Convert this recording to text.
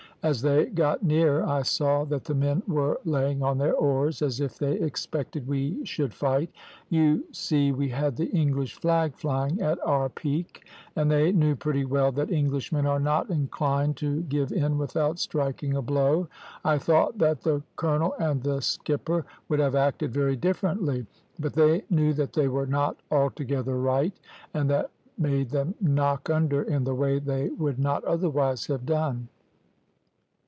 As they got near I saw that the men were laying on their oars, as if they expected we should fight you see we had the English flag flying at our peak, and they knew pretty well that Englishmen are not inclined to give in without striking a blow I thought that the colonel and the skipper would have acted very differently; but they knew that they were not altogether right, and that made them knock under in the way they would not otherwise have done.